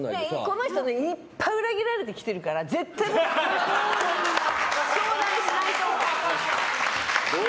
この人、いっぱい裏切られてきてるから絶対相談しないと思う。